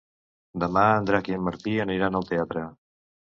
Demà en Drac i en Martí aniran al teatre.